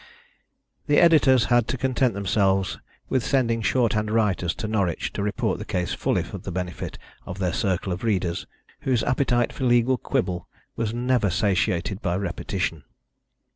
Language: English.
The editors had to content themselves with sending shorthand writers to Norwich to report the case fully for the benefit of their circle of readers, whose appetite for a legal quibble was never satiated by repetition.